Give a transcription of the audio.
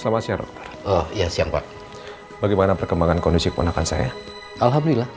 selamat siang oh ya siang pak bagaimana perkembangan kondisi kemenangan saya alhamdulillah